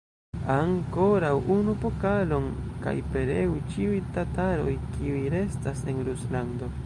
Ankoraŭ unu pokalon, kaj pereu ĉiuj tataroj, kiuj restas en Ruslando!